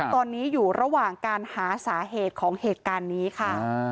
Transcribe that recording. ตอนนี้อยู่ระหว่างการหาสาเหตุของเหตุการณ์นี้ค่ะ